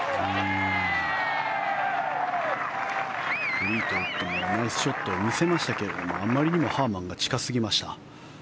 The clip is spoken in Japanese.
フリートウッドもナイスショットを見せましたけどあまりにもハーマンが近すぎました。